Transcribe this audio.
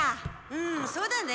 うんそうだね。